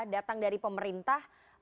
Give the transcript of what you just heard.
datang dari pemerintah